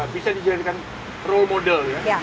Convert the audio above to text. bisa dijadikan role model ya